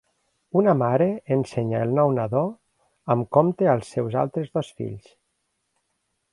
Una mare ensenya el nou nadó amb compte als seus altres dos fills